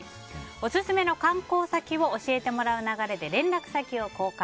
オススメの観光先を教えてもらい連絡先を交換。